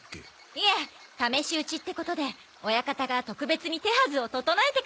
いえ試し打ちってことで親方が特別に手はずを整えてくれたんです！